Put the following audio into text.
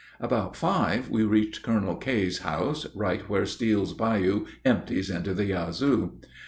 About five we reached Colonel K.'s house, right where Steele's Bayou empties into the Yazoo.